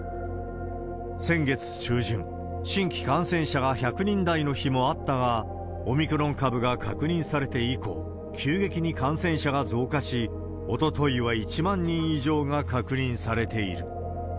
先月中旬、新規感染者が１００人台の日もあったが、オミクロン株が確認されて以降、急激に感染者が増加し、おとといは１万人以上が確認されている。